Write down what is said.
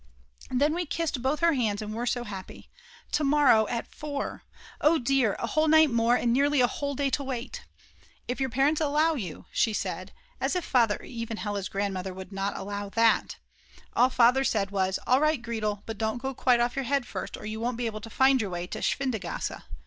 Then we kissed both her hands and were so happy! To morrow at 4! Oh dear, a whole night more and nearly a whole day to wait. "If your parents allow you," she said; as if Father or even Hella's grandmother would not allow that! All Father said was: "All right Gretel, but don't go quite off your head first or you won't be able to find your way to Schwindgasse.